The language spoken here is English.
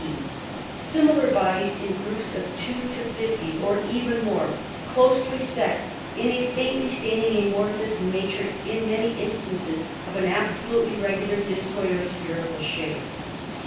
(b) Similar bodies in groups of two to fifty, or even more, closely set in a faintly staining amorphous matrix in many instances of an absolutely regular discoid or spherical shape.